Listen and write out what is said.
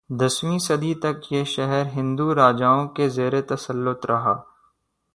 دسویں صدی تک یہ شہر ہندو راجائوں کے زیرتسلط رہا